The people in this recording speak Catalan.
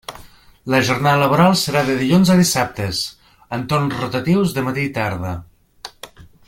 La jornada laboral serà de dilluns a dissabtes, en torn rotatius de matí i tarda.